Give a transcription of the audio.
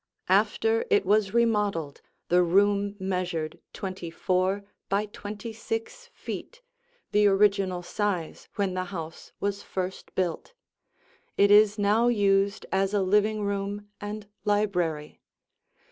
After it was remodeled, the room measured twenty four by twenty six feet, the original size when the house was first built. It is now used as a living room and library.